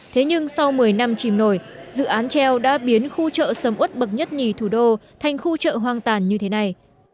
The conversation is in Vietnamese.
thế nhưng sau một mươi năm chìm nổi dự án treo đã biến khu chợ sầm út bậc nhất nhì thủ đô thành khu chợ hoang tàn như thế này